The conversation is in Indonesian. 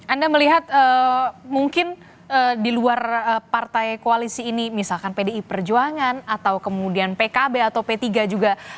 anda melihat mungkin di luar partai koalisi ini misalkan pdi perjuangan atau kemudian pkb atau p tiga juga